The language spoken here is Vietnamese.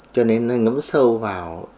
cho nên nó ngấm sâu vào